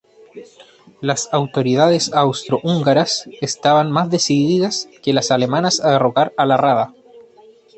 Las autoridades austrohúngaras estaban más decididas que las alemanas a derrocar a la Rada.